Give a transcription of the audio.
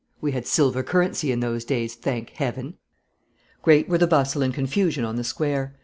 We had silver currency in those days, thank Heaven! Great were the bustle and confusion on the Square.